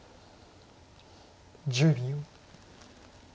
１０秒。